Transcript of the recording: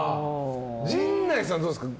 陣内さんはどうですか？